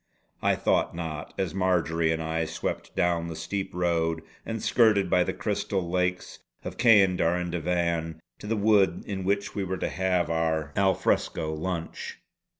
I thought not, as Marjory and I swept down the steep road and skirted by the crystal lakes of Ceander and Davan to the wood in which we were to have our al fresco lunch.